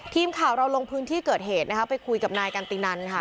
ทีมข่าวเราลงพื้นที่เกิดเหตุนะคะไปคุยกับนายกันตินันค่ะ